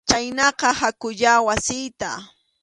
Chhaynaqa hakuyá wasiyta.